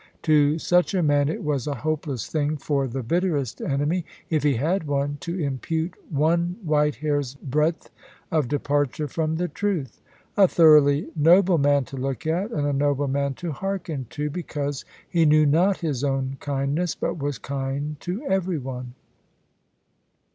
To such a man it was a hopeless thing for the bitterest enemy if he had one to impute one white hair's breadth of departure from the truth. A thoroughly noble man to look at, and a noble man to hearken to, because he knew not his own kindness, but was kind to every one.